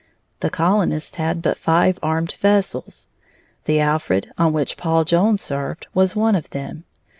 The colonists had but five armed vessels; the Alfred, on which Paul Jones served, was one of them.